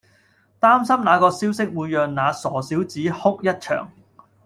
擔心那個消息會讓那傻小子哭一場